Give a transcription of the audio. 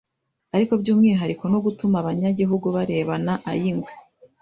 ariko by’umwihariko no gutuma abanyagihugu barebana ay’ingwe,